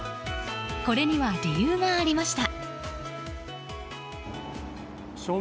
これには理由がありました。